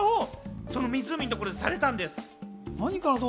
何かの動作をその湖のところでされたんです。